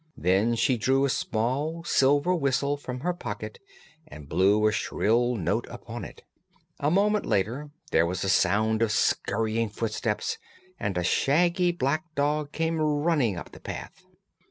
Then she drew a small silver whistle from her pocket and blew a shrill note upon it. A moment later there was a sound of scurrying footsteps, and a shaggy black dog came running up the path.